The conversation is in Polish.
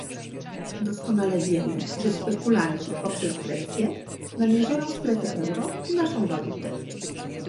Doskonale wiemy, że spekulanci poprzez Grecję namierzają strefę euro i naszą walutę